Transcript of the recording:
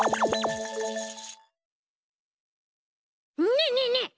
ねえねえねえ